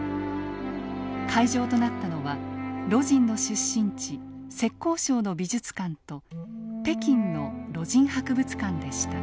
会場となったのは魯迅の出身地浙江省の美術館と北京の魯迅博物館でした。